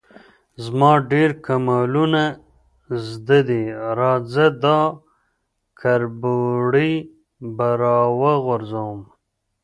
_زما ډېر کمالونه زده دي، راځه، دا کربوړی به راوغږوم.